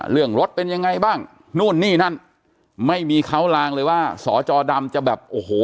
เรื่องรถเป็นยังไงบ้างนู่นนี่นั่นไม่มีเขาลางเลยว่าสอจอดำจะแบบโอ้โห